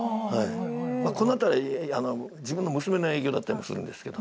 まあこの辺り自分の娘の影響だったりもするんですけど。